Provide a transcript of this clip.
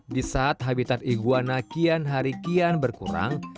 di saat habitat iguana kian hari kian berkurang